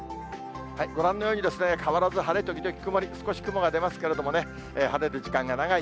ご覧のように、変わらず晴れ時々曇り、少し雲が出ますけれどもね、晴れる時間が長い。